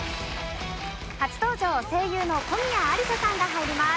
初登場声優の小宮有紗さんが入ります。